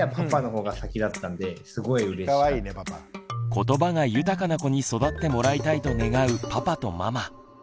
ことばが豊かな子に育ってもらいたいと願うパパとママ。